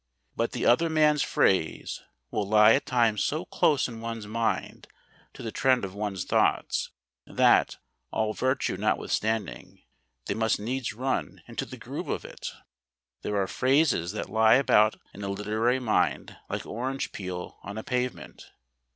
But the other man's phrase will lie at times so close in one's mind to the trend of one's thoughts, that, all virtue notwithstanding, they must needs run into the groove of it. There are phrases that lie about in the literary mind like orange peel on a pavement.